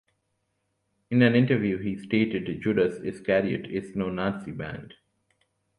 In an interview he stated Judas Iscariot is no Nazi band.